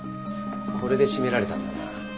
これで絞められたんだな。